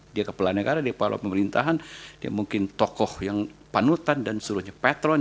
dia kepala negara dia kepala pemerintahan dia mungkin tokoh yang panutan dan seluruhnya patron